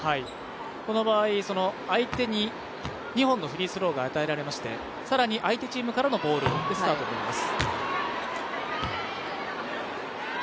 この場合相手に２本のフリースローが与えられまして更に相手チームからのボールでスタートとなります。